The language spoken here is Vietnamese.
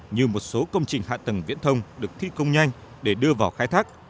như một số công trình hạ tầng viễn thông được thi công nhanh để đưa vào khai thác